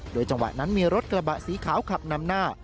จังหวะนั้นมีรถกระบะสีขาวขับนำหน้า